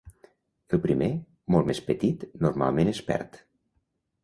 El primer, molt més petit, normalment es perd.